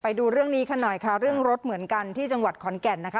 ไปดูเรื่องนี้กันหน่อยค่ะเรื่องรถเหมือนกันที่จังหวัดขอนแก่นนะคะ